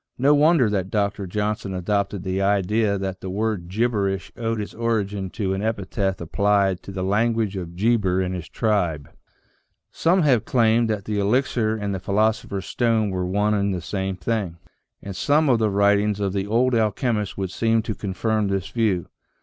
No wonder that Dr. John son adopted the idea that the word gibberish (anciently written gcberisJi] owed its origin to an epithet applied to the language of Geber and his tribe. Some have claimed that the elixir and the philosopher's stone were one and the same thing, and some of the writ ings of the old alchemists would seem to confirm this view.